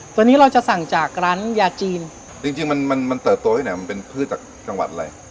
ตัวนี้เราจะสั่งจากร้านยาจีนจริงจริงมันมันเติบโตที่ไหนมันเป็นพืชจากจังหวัดอะไร